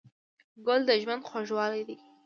ګل د ژوند خوږوالی دی.